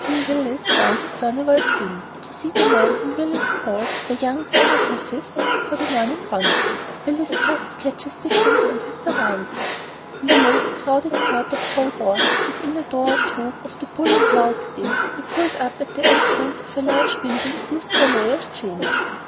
P. Willis down to Furnival's Inn to see the man whom Willis called "a young paragraphist for the Morning Chronicle." Willis thus sketches Dickens and his surroundings: In the most crowded part of Holborn, within a door or two of the Bull and Mouth Inn, we pulled up at the entrance of a large building used for lawyers' chambers.